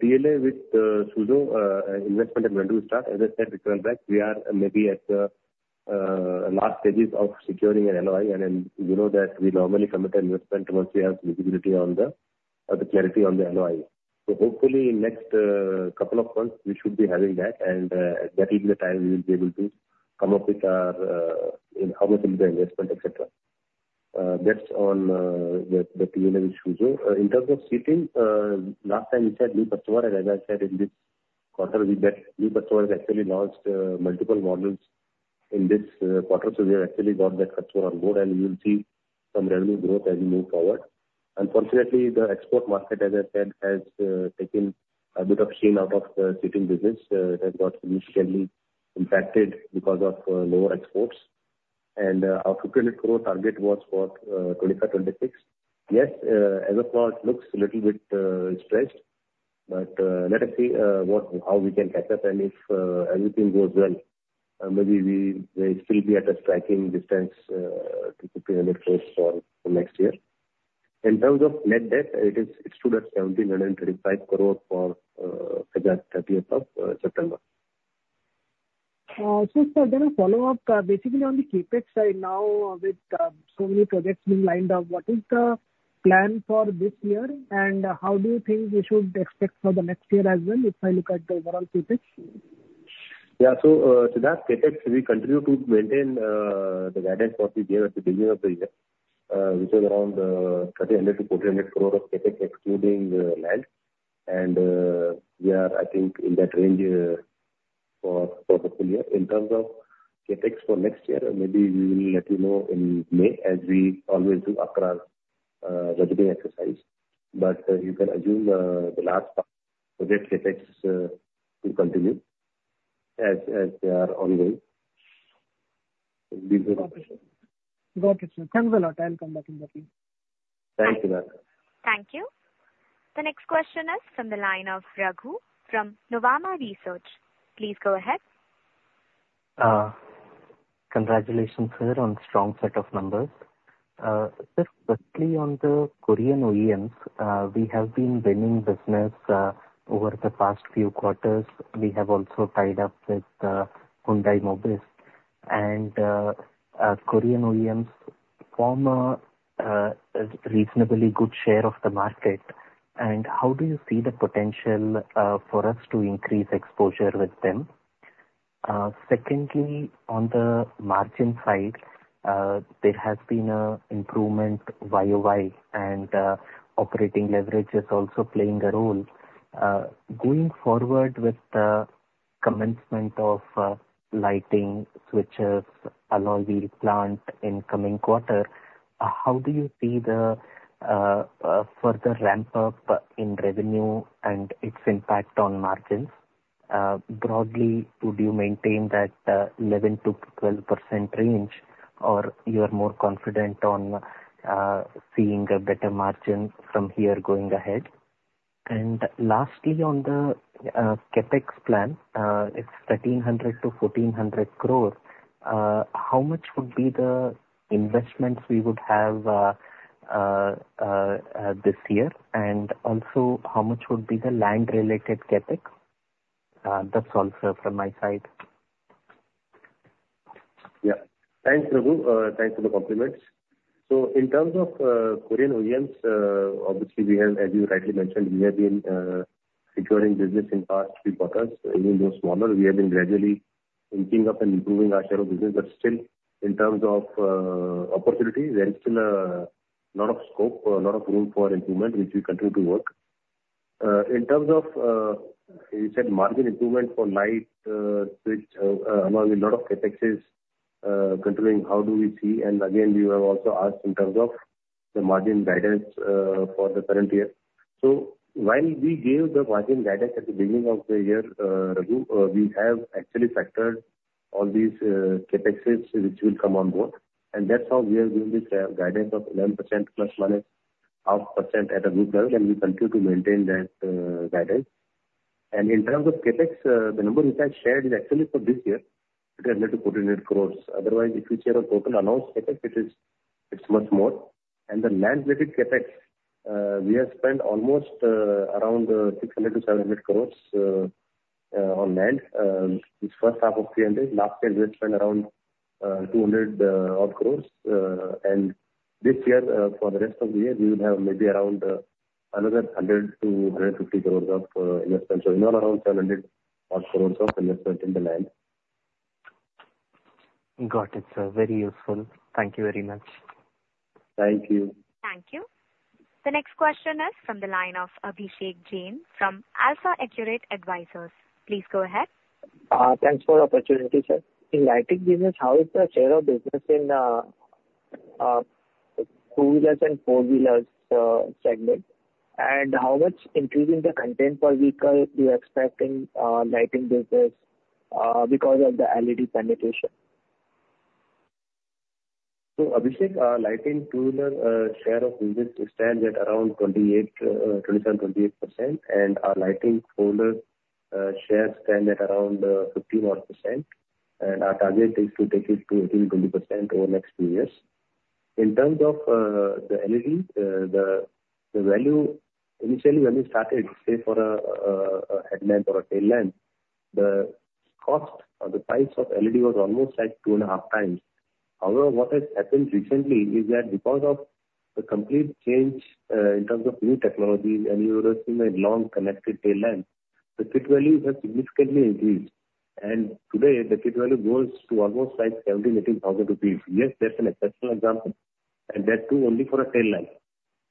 Speaker 2: TLA with Mobis, investment, when do we start? As I said, we call back. We are maybe at the last stages of securing an LOI. And then we know that we normally commit an investment once we have visibility on the clarity on the LOI. So hopefully in next couple of months, we should be having that. And that will be the time we will be able to come up with our how much will be the investment, etc. That's on the TLA with Mobis. In terms of seating, last time we said new customer, and as I said, in this quarter, we had new customers actually launched multiple models in this quarter. So we have actually got that customer on board. And we will see some revenue growth as we move forward. Unfortunately, the export market, as I said, has taken a bit of the shine out of the seating business. It has got significantly impacted because of lower exports. And our 1,500 crore target was for 2025, 2026. Yes, as of now, it looks a little bit stressed. But let us see how we can catch up. If everything goes well, maybe we may still be at a striking distance to INR 1,500 crores for next year. In terms of net debt, it stood at 1,735 crore as of September 30th.
Speaker 7: Sir, then a follow-up. Basically, on the CapEx side now, with so many projects being lined up, what is the plan for this year? And how do you think we should expect for the next year as well, if I look at the overall CapEx?
Speaker 2: Yeah. To that CapEx, we continue to maintain the guidance what we gave at the beginning of the year, which was around 1,300-1,400 crore of CapEx, excluding land. And we are, I think, in that range for the full year. In terms of CapEx for next year, maybe we will let you know in May, as we always do after our budgeting exercise. But you can assume the last project CapEx will continue as they are ongoing.
Speaker 7: Got it, sir. Thanks a lot. I'll come back in the team. Thank you, sir.
Speaker 1: Thank you. The next question is from the line of Raghu from Nuvama Institutional Equities. Please go ahead.
Speaker 8: Congratulations, sir, on a strong set of numbers. Just quickly on the Korean OEMs, we have been winning business over the past few quarters. We have also tied up with Hyundai Mobis, and Korean OEMs form a reasonably good share of the market, and how do you see the potential for us to increase exposure with them? Secondly, on the margin side, there has been an improvement YOY, and operating leverage is also playing a role. Going forward with the commencement of lighting switches, alloy wheel plant in coming quarter, how do you see the further ramp-up in revenue and its impact on margins? Broadly, would you maintain that 11%-12% range, or you are more confident on seeing a better margin from here going ahead? And lastly, on the CapEx plan, it's 1,300 crore-1,400 crore. How much would be the investments we would have this year? And also, how much would be the land-related CapEx? That's all, sir, from my side.
Speaker 2: Yeah. Thanks, Raghu. Thanks for the compliments. So in terms of Korean OEMs, obviously, we have, as you rightly mentioned, we have been securing business in past three quarters. Even though smaller, we have been gradually inching up and improving our share of business. But still, in terms of opportunity, there is still a lot of scope, a lot of room for improvement, which we continue to work. In terms of, as you said, margin improvement for light switch, a lot of CapEx is continuing. How do we see? Again, you have also asked in terms of the margin guidance for the current year. So while we gave the margin guidance at the beginning of the year, Raghu, we have actually factored all these CapExes which will come on board. And that's how we have given this guidance of 11% ±0.5% at a group level. And we continue to maintain that guidance. And in terms of CapEx, the number we have shared is actually for this year, it is 1,400 crores. Otherwise, if you share a total announced CapEx, it's much more. And the land-related CapEx, we have spent almost around 600-700 crores on land. It's first half of 300. Last year, we had spent around 200-odd crores. And this year, for the rest of the year, we will have maybe around another 100-150 crores of investment. So in all, around 700 crore of investment in the land.
Speaker 8: Got it, sir. Very useful. Thank you very much.
Speaker 2: Thank you.
Speaker 1: Thank you. The next question is from the line of Abhishek Jain from AlfAccurate Advisors. Please go ahead.
Speaker 9: Thanks for the opportunity, sir. In lighting business, how is the share of business in two-wheelers and four-wheelers segment? And how much increase in the content per vehicle do you expect in lighting business because of the LED penetration?
Speaker 2: So Abhishek, lighting two-wheeler share of business stands at around 28%, 27%, 28%. And our lighting four-wheeler share stands at around 15% odd. And our target is to take it to 18%-20% over the next few years. In terms of the LED, the value initially when we started, say for a headlamp or a tail lamp, the cost or the price of LED was almost like two and a half times. However, what has happened recently is that because of the complete change in terms of new technologies and you would have seen a long connected tail lamp, the kit value has significantly increased. Today, the kit value goes to almost like 17,000-18,000 rupees. Yes, that's an exceptional example. That too only for a tail lamp.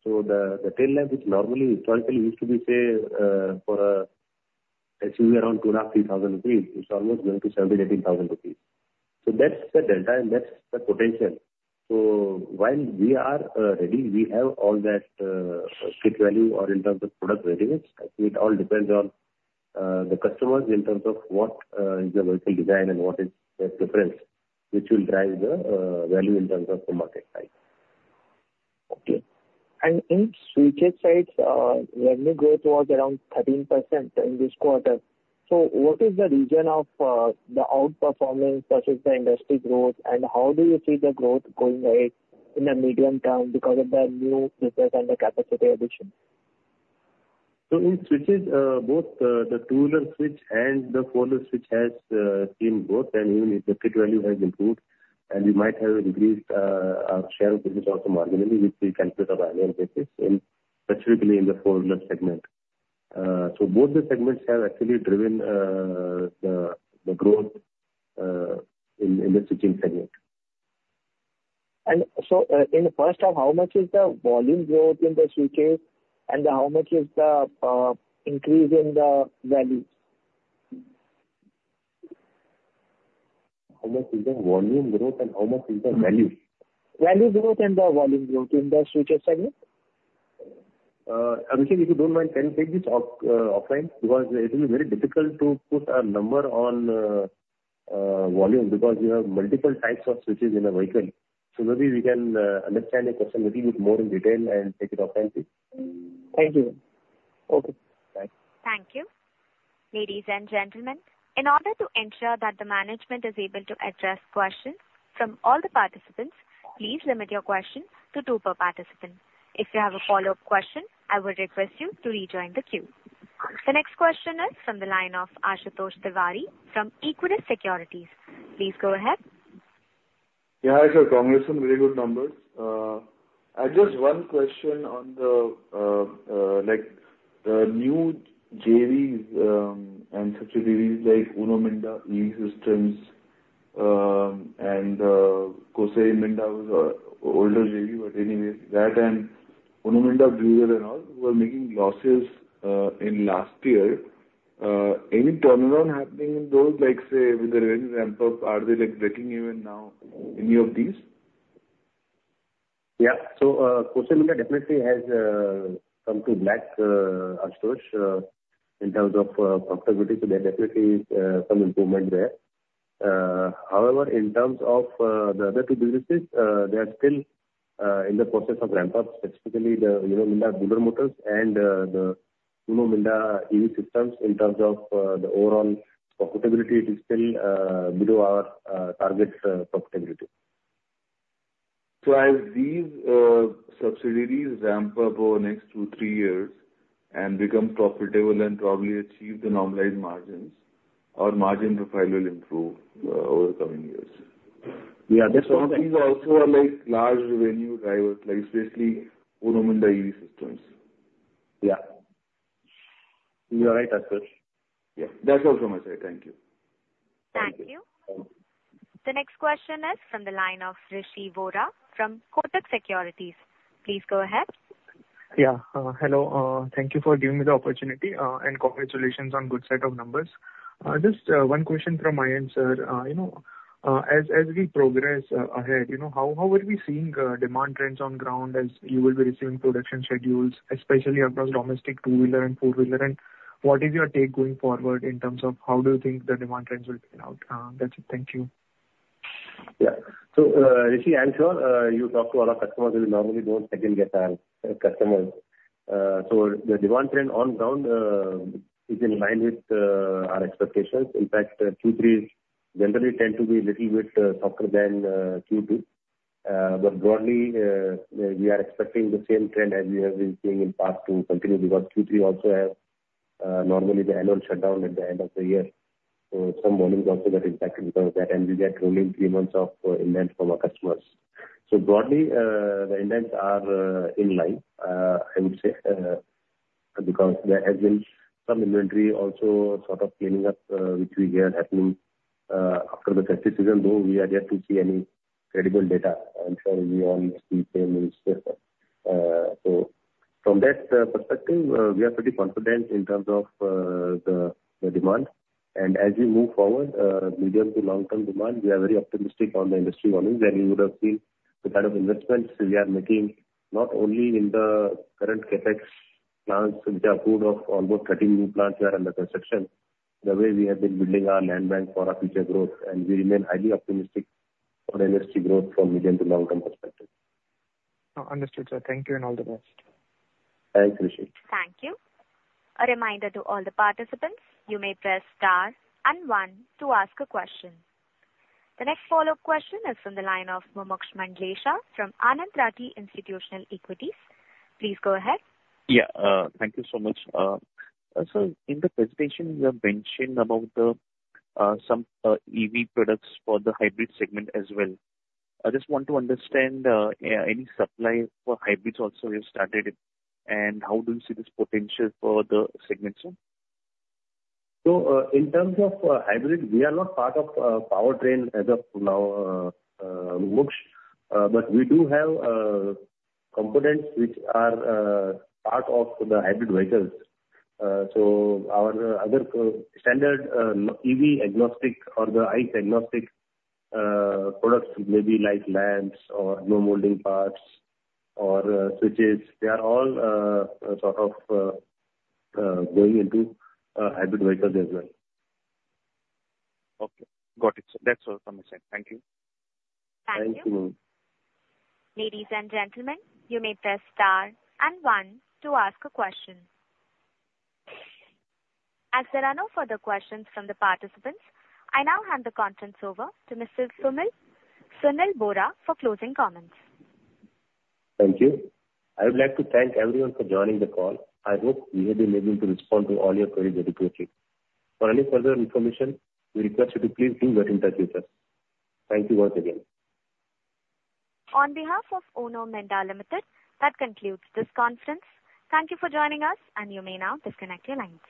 Speaker 2: The tail lamp, which normally historically used to be say for a SUV around 2,500-3,000 rupees, it's almost going to 17,000-18,000 rupees. That's the delta and that's the potential. While we are ready, we have all that kit value or in terms of product readiness. I think it all depends on the customers in terms of what is the vertical design and what is the difference, which will drive the value in terms of the market side.
Speaker 9: Okay. And in switches segment, revenue growth was around 13% in this quarter. So what is the reason of the outperformance versus the industry growth? And how do you see the growth going ahead in the medium term because of the new switches and the capacity addition?
Speaker 2: So in switches, both the two-wheeler switch and the four-wheeler switch has seen growth. And even if the kit value has improved, and we might have increased our share of business on the margin, which we calculate on an annual basis, specifically in the four-wheeler segment. So both the segments have actually driven the growth in the switches segment.
Speaker 9: And so, in the first half, how much is the volume growth in the switches? And how much is the increase in the values?
Speaker 2: How much is the volume growth and how much is the value?
Speaker 9: Value growth and the volume growth in the switches segment?
Speaker 2: Abhishek, if you don't mind, can you take this offline? Because it will be very difficult to put a number on volume because you have multiple types of switches in a vehicle. So maybe we can understand your question a little bit more in detail and take it offline, please.
Speaker 9: Thank you.
Speaker 2: Okay.
Speaker 1: Thank you. Ladies and gentlemen, in order to ensure that the management is able to address questions from all the participants, please limit your question to two per participant. If you have a follow-up question, I would request you to rejoin the queue. The next question is from the line of Ashutosh Tiwari from Equirus Securities. Please go ahead.
Speaker 10: Yeah, sir, congratulations, very good numbers. I just have one question on the new JVs and subsidiaries like Uno Minda EV Systems, and Kosei Minda was an older JV, but anyway, that and Uno Minda Buehler Motor, and all who are making losses in last year. Any turnaround happening in those? Like say, with the revenue ramp-up, are they breaking even now in any of these?
Speaker 2: Yeah. So Kosei Minda definitely has come into the black, Ashutosh, in terms of profitability. So there definitely is some improvement there. However, in terms of the other two businesses, they are still in the process of ramp-up, specifically the Uno Minda Buehler Motor and the Uno Minda EV Systems. In terms of the overall profitability, it is still below our target profitability.
Speaker 10: So as these subsidiaries ramp up over the next 2-3 years and become profitable and probably achieve the normalized margins, our margin profile will improve over the coming years.
Speaker 2: Yeah, that's all.
Speaker 10: These also are large revenue drivers, especially Uno Minda EV Systems.
Speaker 2: Yeah. You're right, Ashutosh.
Speaker 10: Yeah. That's all from my side. Thank you.
Speaker 1: Thank you. The next question is from the line of Rishi Vora from Kotak Securities. Please go ahead.
Speaker 11: Yeah. Hello. Thank you for giving me the opportunity and congratulations on a good set of numbers. Just one question from my end, sir. As we progress ahead, how are we seeing demand trends on ground as you will be receiving production schedules, especially across domestic two-wheeler and four-wheeler? And what is your take going forward in terms of how do you think the demand trends will play out? That's it. Thank you.
Speaker 2: Yeah. Rishi, I'm sure you talk to a lot of customers who normally don't second-guess our customers. The demand trend on ground is in line with our expectations. In fact, Q3s generally tend to be a little bit softer than Q2. But broadly, we are expecting the same trend as we have been seeing in the past to continue because Q3 also has normally the annual shutdown at the end of the year. So some volumes also get impacted because of that. And we get rolling three months of inventory from our customers. So broadly, the inventories are in line, I would say, because there has been some inventory also sort of cleaning up, which we hear happening after the festive season, though we are yet to see any credible data. I'm sure we all see the same news. So from that perspective, we are pretty confident in terms of the demand. And as we move forward, medium to long-term demand, we are very optimistic on the industry volumes. And you would have seen the kind of investments we are making not only in the current CapEx plans, which are full of almost 13 new plants that are under construction, the way we have been building our land bank for our future growth. And we remain highly optimistic on industry growth from medium to long-term perspective.
Speaker 11: Understood, sir. Thank you and all the best.
Speaker 2: Thanks, Rishi.
Speaker 1: Thank you. A reminder to all the participants, you may press star and one to ask a question. The next follow-up question is from the line of Mumuksh Mandlesha from Anand Rathi Institutional Equities. Please go ahead.
Speaker 4: Yeah. Thank you so much. So in the presentation, you have mentioned about some EV products for the hybrid segment as well. I just want to understand any supply for hybrids also you've started, and how do you see this potential for the segment, sir?
Speaker 2: So in terms of hybrid, we are not part of powertrain as of now, Mumuksh. But we do have components which are part of the hybrid vehicles. So our other standard EV agnostic or the ICE agnostic products, maybe like lamps or blow molding parts or switches, they are all sort of going into hybrid vehicles as well.
Speaker 4: Okay. Got it, sir. That's all from my side. Thank you.
Speaker 2: Thank you. Thank you, Mumuksh.
Speaker 1: Ladies and gentlemen, you may press star and one to ask a question. As there are no further questions from the participants, I now hand the contents over to Mr. Sunil Bohra for closing comments.
Speaker 2: Thank you. I would like to thank everyone for joining the call. I hope we have been able to respond to all your queries adequately. For any further information, we request you to please do get in touch with us. Thank you once again.
Speaker 1: On behalf of Uno Minda Limited, that concludes this conference. Thank you for joining us, and you may now disconnect your lines.